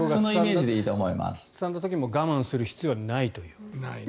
心がすさんだ時も我慢する必要はないということで。